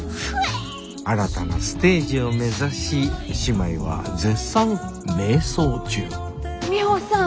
新たなステージを目指し姉妹は絶賛迷走中ミホさん。